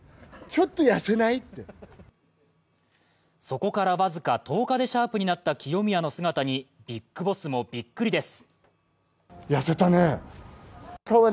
そこから僅か１０日でシャープになった清宮の姿にビッグボスもびっくりです。